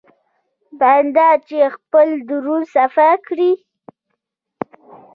بنده چې خپل درون صفا کړي.